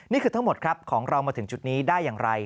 ทั้งหมดครับของเรามาถึงจุดนี้ได้อย่างไร